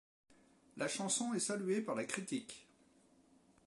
La chanson est saluée par la critique.